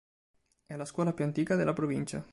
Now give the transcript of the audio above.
È la scuola più antica della provincia.